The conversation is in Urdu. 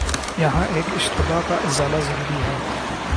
یہاں ایک اشتباہ کا ازالہ ضروری ہے۔